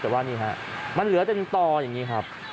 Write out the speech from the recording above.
แต่ว่านี่ครับมันเหลือแต่นตออย่างนี้ครับ